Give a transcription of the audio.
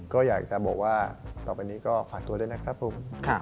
ก็อยากจะบอกว่าต่อไปนี้ก็ฝากตัวด้วยนะครับผม